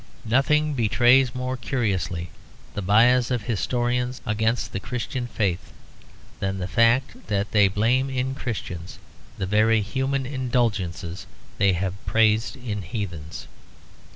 Nothing betrays more curiously the bias of historians against the Christian faith than the fact that they blame in Christians the very human indulgences that they have praised in heathens.